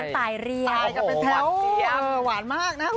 ตายเรียม